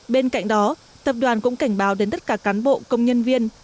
bên cạnh đó tập đoàn cũng cảnh báo đến tất cả cán bộ công nhân viên